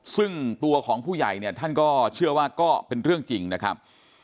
ซึ่งตัวของผู้ใหญ่เนี่ยท่านก็เชื่อว่าก็เป็นเรื่องจริงนะครับ